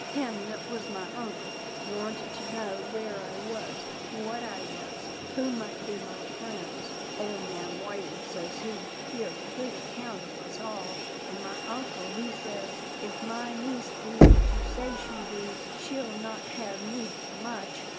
" Him that was my uncle wanted to know where I was, what I was, who might be my friends. Ole man Whiting says he give good account of us all, an' my uncle he says, * If my niece be what you say she be, she'll not hev need for much.